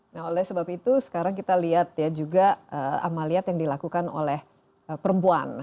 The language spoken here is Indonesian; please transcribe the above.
nah oleh sebab itu sekarang kita lihat ya juga amaliat yang dilakukan oleh perempuan